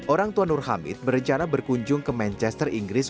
orang tua nur hamid berencana berkunjung ke manchester inggris